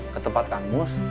ke tempat kangus